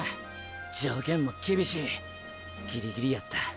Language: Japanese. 条件もきびしいギリギリやった。